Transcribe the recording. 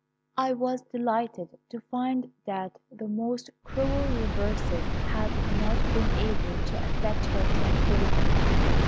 "I was delighted to find that the most cruel reverses had not been able to affect her tranquillity.